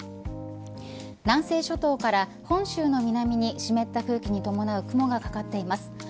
南西諸島から本州の南に湿った空気に伴う雲がかかっています。